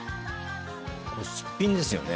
これすっぴんですよね。